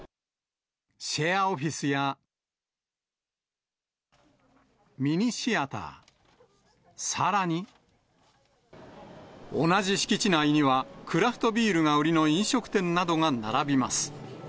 シェアオフィスやミニシアター、さらに、同じ敷地内には、クラフトビールが売りの飲食店などが並びます。